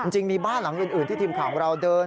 จริงมีบ้านหลังอื่นที่ทีมข่าวของเราเดิน